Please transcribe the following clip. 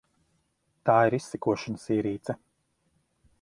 Tā ir izsekošanas ierīce.